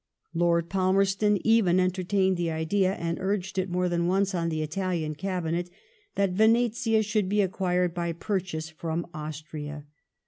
Lord Palmerston even entertained the idea, and urged it more than once on the Italian Cabinet, that Yenetia should be acquired by purchase from Austria.